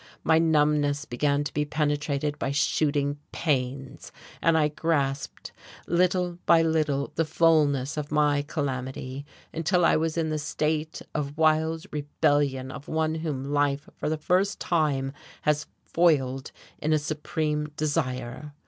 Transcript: My numbness began to be penetrated by shooting pains, and I grasped little by little the fulness of my calamity, until I was in the state of wild rebellion of one whom life for the first time has foiled in a supreme desire.